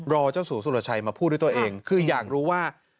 เจ้าสัวสุรชัยมาพูดด้วยตัวเองคืออยากรู้ว่า